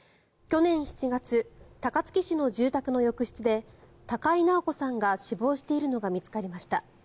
去年７月高槻市の住宅の浴室で高井直子さんが死亡しているのが見つかりました。